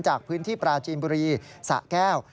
จากพื้นที่ปราจีนบุรีสะแก้ว